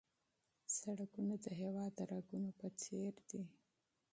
سړکونه د هېواد د رګونو په څېر دي.